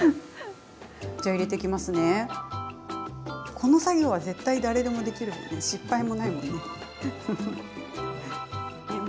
この作業は絶対、誰でもできるね失敗もないもんね。